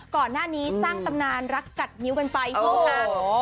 ก่อนหน้านี้สร้างตำนานรักกัดนิ้วกันไปยิ่งห่าง